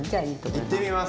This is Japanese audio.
いってみます。